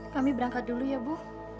kami berangkat dulu ya bu